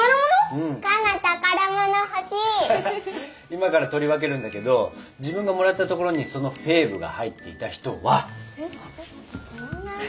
今から取り分けるんだけど自分のもらったところにそのフェーブが入っていた人は。